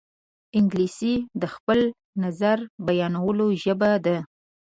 انګلیسي د خپل نظر بیانولو ژبه ده